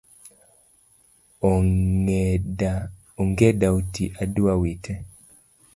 Ongeda otii , adwa wite